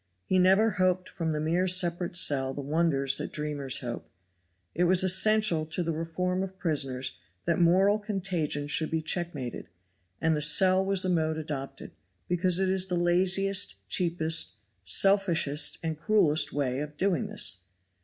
He never hoped from the mere separate cell the wonders that dreamers hope. It was essential to the reform of prisoners that moral contagion should be checkmated, and the cell was the mode adopted, because it is the laziest, cheapest, selfishest and cruelest way of doing this.